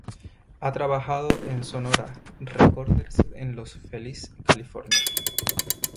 Ha trabajado en Sonora Recorders en Los Feliz, California.